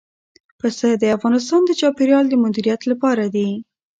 پسه د افغانستان د چاپیریال د مدیریت لپاره دي.